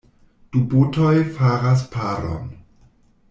Du botoj faras paron.